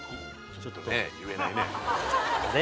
ちょっとね言えないねあれ？